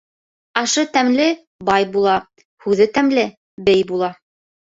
Ашы тәмле бай була, һүҙе тәмле бей була.